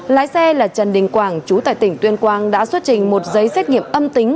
lái xe là trần đình quảng chú tại tỉnh tuyên quang đã xuất trình một giấy xét nghiệm âm tính